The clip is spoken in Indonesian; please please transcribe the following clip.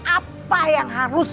apa yang harus